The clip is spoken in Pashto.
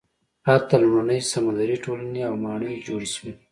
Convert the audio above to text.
هلته لومړنۍ سمندري ټولنې او ماڼۍ جوړې شوې.